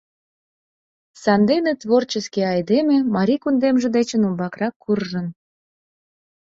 Сандене творческий айдеме Марий кундемже дечын умбакырак куржын.